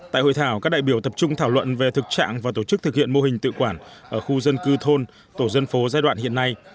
tại hội thảo các đại biểu tập trung thảo luận về thực trạng và tổ chức thực hiện mô hình tự quản ở khu dân cư thôn tổ dân phố giai đoạn hiện nay